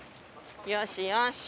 よしよし！